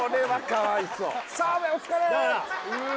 「澤部お疲れー！」